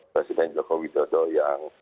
presiden jokowi dodo yang